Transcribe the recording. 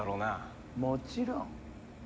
もちろん。